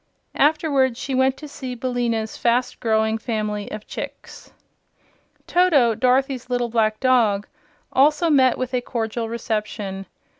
Afterward, she went to see Billina's fast growing family of chicks. Toto, Dorothy's little black dog, also met with a cordial reception.